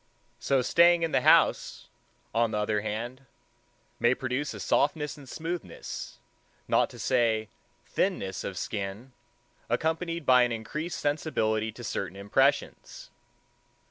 So staying in the house, on the other hand, may produce a softness and smoothness, not to say thinness of skin, accompanied by an increased sensibility to certain impressions.